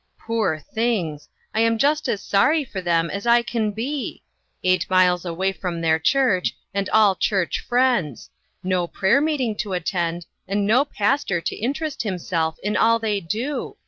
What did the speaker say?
Poor things ! I am just as sorry for them as I can be ! Eight miles away from their church and all church friends ; no prayer meeting to attend, and no pastor to interest himself in all they do